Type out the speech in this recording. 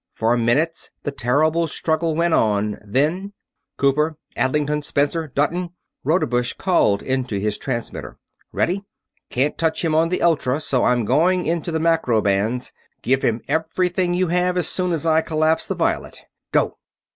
For minutes the terrible struggle went on, then: "Cooper, Adlington, Spencer, Dutton!" Rodebush called into his transmitter. "Ready? Can't touch him on the ultra, so I'm going onto the macro bands. Give him everything you have as soon as I collapse the violet. Go!"